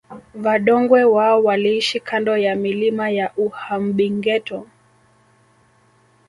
Vadongwe wao waliishi kando ya milima ya Uhambingeto